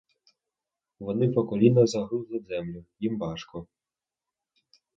Вони по коліна загрузли у землю, їм важко.